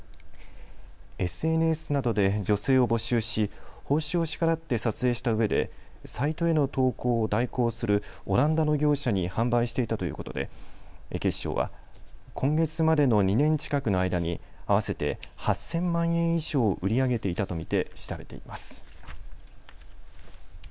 ＳＮＳなどで女性を募集し報酬を支払って撮影したうえでサイトへの投稿を代行するオランダの業者に販売していたということで警視庁は今月までの２年近くの間に合わせて８０００万円以上を売り上げていたと見て調べています。